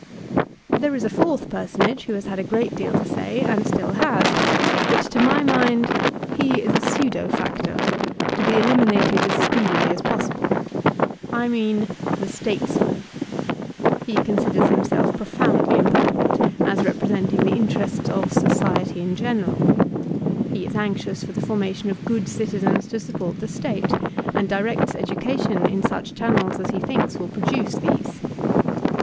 There is a fourth personage who has had a great deal to say, and still has; but to my mind he is a pseudo factor, to be eliminated as speedily as possible. I mean the "Statesman.'' He considers himself profoundly im portant, as representing the interests of society in gen eral He is anxious for the formation of good citixens to support the State, and directs education in such dian nels as he thinks will produce these.